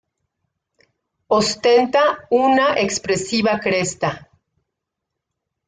Ostenta una expresiva cresta.